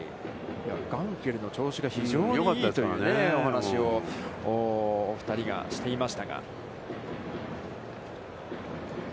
ガンケルの調子が非常にいいというねお話をお二人がしていましたが。